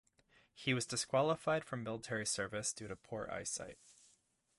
He was disqualified from military service due to poor eyesight.